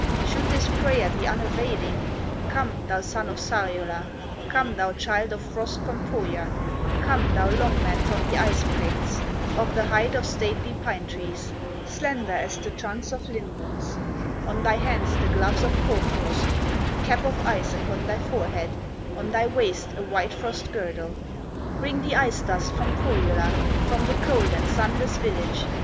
"Should this prayer be unavailing, Come, thou son of Sariola, Come, thou child of Frost from Pohya, Come, thou Long man from the ice plains, Of the height of stately pine trees, Slender as the trunks of lindens, On thy hands the gloves of Hoar frost, Cap of ice upon thy forehead, On thy waist a white frost girdle; Bring the ice dust from Pohyola, From the cold and sunless village.